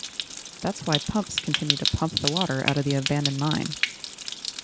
That's why pumps continue to pump the water out of the abandoned mine.